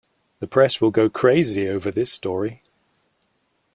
The press will go crazy over this story.